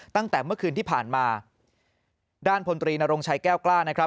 ตั้งแต่เมื่อคืนที่ผ่านมาด้านพลตรีนรงชัยแก้วกล้านะครับ